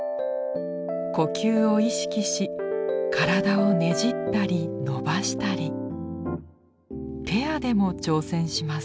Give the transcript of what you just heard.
呼吸を意識し体をねじったり伸ばしたりペアでも挑戦します。